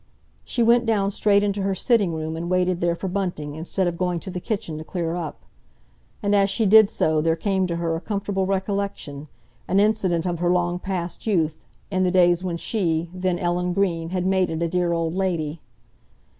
She went down straight into her sitting room and waited there for Bunting, instead of going to the kitchen to clear up. And as she did so there came to her a comfortable recollection, an incident of her long past youth, in the days when she, then Ellen Green, had maided a dear old lady.